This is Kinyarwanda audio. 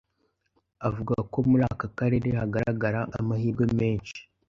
avuga ko muri aka kerere hagaragara amahirwe menshi